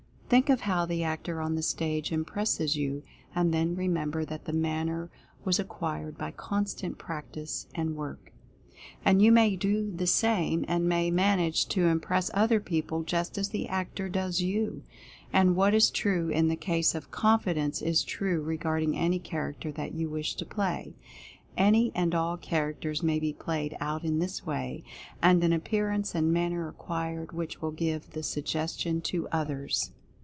Think of how the actor on the stage impresses you — and then remember that the manner was acquired by constant practice, and work. And you may do the same, and may manage to im press other people just as the actor does you. And what is true in the case of "Confidence" is true regard ing any Character that you wish to play. Any and all Characters may be played out in this way, and an appearance and manner acquired which will give the Suggestion to others.